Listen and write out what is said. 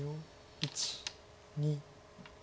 １２。